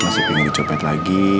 masih pengen dicopet lagi